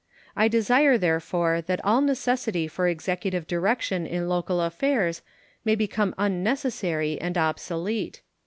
I desire, therefore, that all necessity for Executive direction in local affairs may become unnecessary and obsolete.